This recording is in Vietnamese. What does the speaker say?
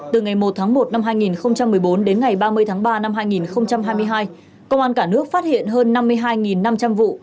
từ ngày một tháng một năm hai nghìn một mươi bốn đến ngày ba mươi tháng ba năm hai nghìn hai mươi hai công an cả nước phát hiện hơn năm mươi hai năm trăm linh vụ